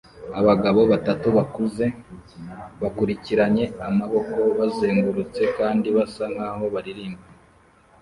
Abagabo batatu bakuze bakurikiranye amaboko bazengurutse kandi basa nkaho baririmba